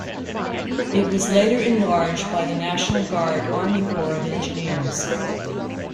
It was later enlarged by the National Guard Army Corps of Engineers.